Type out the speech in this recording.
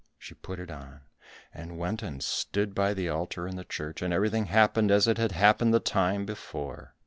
She put it on, and went and stood by the altar in the church, and everything happened as it had happened the time before.